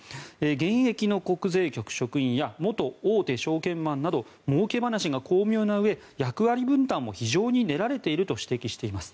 現役の国税局職員や元大手証券マンなどもうけ話が巧妙なうえ役割分担も非常に練られていると指摘しています。